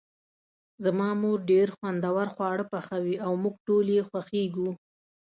زما مور ډیر خوندور خواړه پخوي او موږ ټول یی خوښیږو